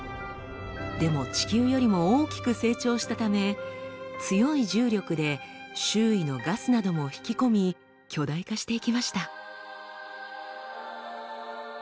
でも地球よりも大きく成長したため強い重力で周囲のガスなども引き込み巨大化していきました。